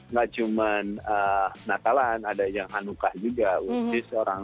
nggak cuman natalan ada yang hanukkah juga